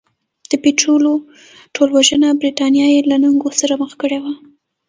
د پیټرلو ټولوژنه برېټانیا یې له ننګونو سره مخ کړې وه.